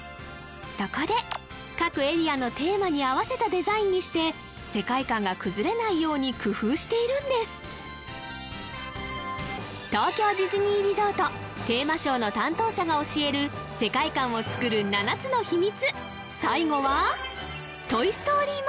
そこで各エリアのテーマに合わせたデザインにして世界観が崩れないように工夫しているんです東京ディズニーリゾートテーマショーの担当者が教える世界観を作る７つの秘密